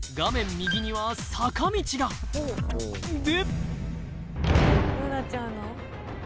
右には坂道がんで！